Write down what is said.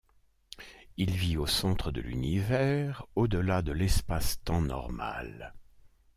Il vit au centre de l'univers, au-delà de l'espace temps normal.